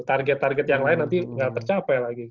target target yang lain nanti nggak tercapai lagi